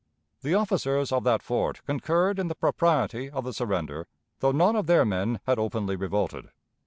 The officers of that fort concurred in the propriety of the surrender, though none of their men had openly revolted.